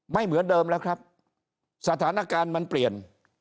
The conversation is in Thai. ไม่เหมือนเดิมแล้วครับสถานการณ์มันเปลี่ยน